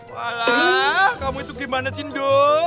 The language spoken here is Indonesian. walah kamu itu gimana sih ndo